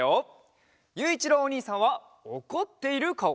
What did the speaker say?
ゆういちろうおにいさんはおこっているかお。